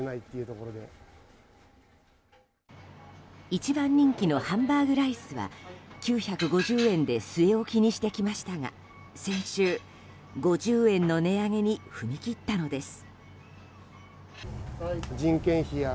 一番人気のハンバーグライスは９５０円で据え置きにしてきましたが先週、５０円の値上げに踏み切ったのです。